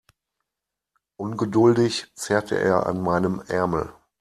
Ungeduldig zerrte er an meinem Ärmel.